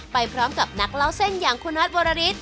ไปพร้อมกับนักเล่าเส้นอย่างคุณน็อตวรริส